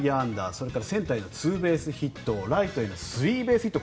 それからセンターへのツーベースヒットライトへのスリーベースヒット